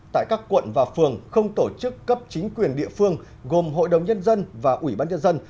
tại các quận và phường không tổ chức cấp chính quyền địa phương gồm hội đồng nhân dân và ủy ban nhân dân